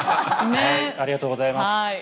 ありがとうございます。